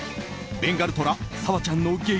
ベンガルトラ、さわちゃんの激